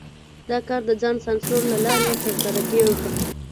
دا کار د ځان سانسور له لارې ترسره کېږي.